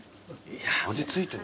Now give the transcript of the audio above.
味付いてる？